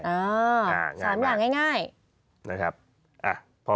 ๓อย่างง่าย